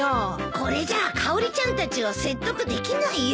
これじゃかおりちゃんたちを説得できないよ。